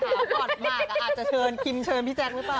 ขออนุญาตมากค่ะจะเชิญคิมเชิญพี่แจ๊คไว้ป่ะ